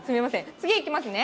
次いきますね。